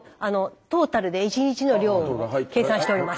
トータルで１日の量を計算しております。